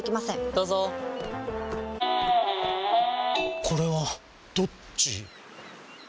どうぞこれはどっち？